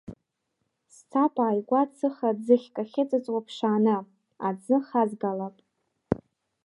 Сцап, ааигәа цыха ӡыхьк ахьыҵыҵуа ԥшааны, аӡы хазгалап.